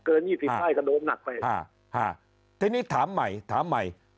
เกินยี่สิบห้าก็โดมหนักไปอ่าทีนี้ถามใหม่ถามใหม่